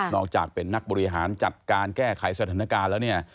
อกจากเป็นนักบริหารจัดการแก้ไขสถานการณ์แล้วเนี่ย